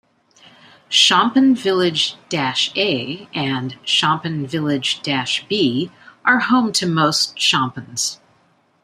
Shompen Village-A and Shompen Village-B are home to most Shompens.